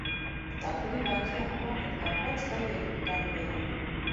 Տաթևի վանքի անվան հետ կապված կա երկու տարբերակ։